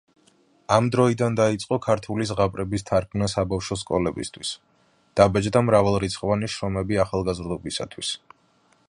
ამ დროიდან დაიწყო ქართული ზღაპრების თარგმნა საბავშვო სკოლებისათვის, დაბეჭდა მრავალრიცხოვანი შრომები ახალგაზრდობისათვის.